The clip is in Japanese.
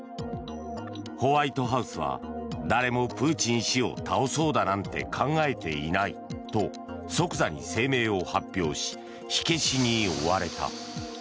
ホワイトハウスは誰もプーチン氏を倒そうだなんて考えていないと即座に声明を発表し火消しに追われた。